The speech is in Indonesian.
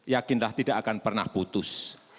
yakinlah tidak akan pernah putus